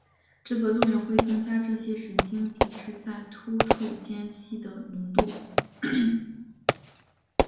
这个作用会增加这些神经递质在突触间隙的浓度。